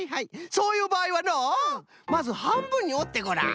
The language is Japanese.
そういうばあいはのまずはんぶんにおってごらん。